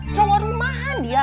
congol rumahan dia